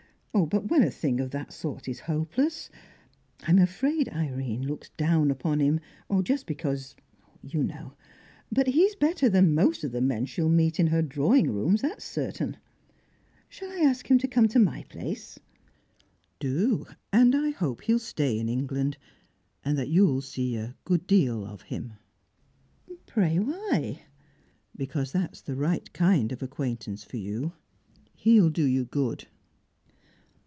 But when a thing of that sort is hopeless. I'm afraid Irene looks down upon him, just because you know. But he's better than most of the men she'll meet in her drawing rooms, that's certain. Shall I ask him to come to my place?" "Do. And I hope he'll stay in England, and that you'll see a good deal of him." "Pray, why?" "Because that's the right kind of acquaintance for you, he'll do you good."